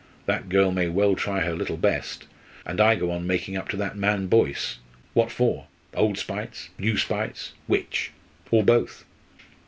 That girl may well try her little best. And I go making up to that man Boyce! What for? Old spites? new spites? which? or both!"